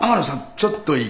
ちょっといいかな？